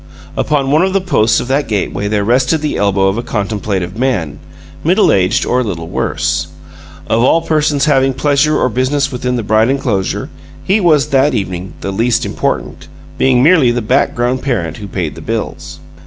Upon one of the posts of that gateway there rested the elbow of a contemplative man, middleaged or a little worse. Of all persons having pleasure or business within the bright inclosure, he was, that evening, the least important; being merely the background parent who paid the bills.